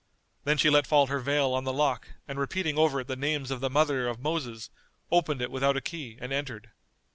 Then she let fall her veil on the lock and repeating over it the names of the mother of Moses, opened it without a key and entered.